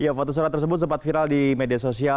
ya foto surat tersebut sempat viral di media sosial